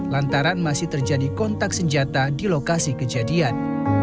lantaran masih terjadi kontak senjata di lokasi kejadian